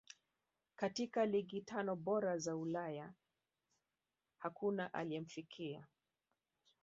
katika ligi tano bora za ulaya hakuna aliyemfikia